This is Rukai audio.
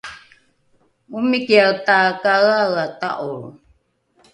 omikiae takaeaea ta’olro